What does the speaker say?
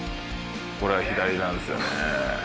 これ左なんですよね。